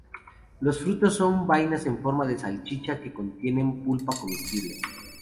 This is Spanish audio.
Los frutos son vainas en forma de salchicha que contienen pulpa comestible.